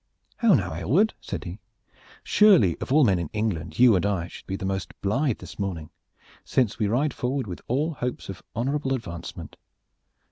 "How now, Aylward?" said he. "Surely of all men in England you and I should be the most blithe this morning, since we ride forward with all hopes of honorable advancement.